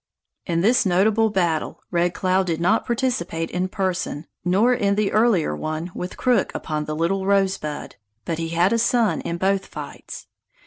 In this notable battle, Red Cloud did not participate in person, nor in the earlier one with Crook upon the Little Rosebud, but he had a son in both fights.